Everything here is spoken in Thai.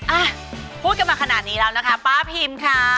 อ่ะพูดกันมาขนาดนี้แล้วนะคะป้าพิมค่ะ